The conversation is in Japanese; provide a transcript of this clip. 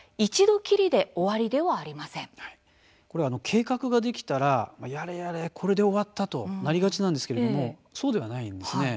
計画ができたら、やれやれこれで終わったとなりがちなんですがそうではないんです。